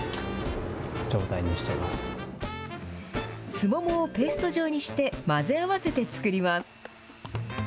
すももをペースト状にして混ぜ合わせて造ります。